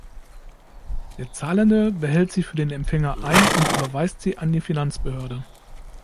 Der Zahlende behält sie für den Empfänger ein und überweist sie an die Finanzbehörde.